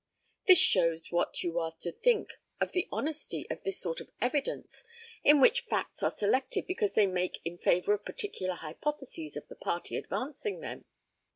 This shows what you are to think of the honesty of this sort of evidence, in which facts are selected because they make in favour of particular hypotheses of the party advancing them.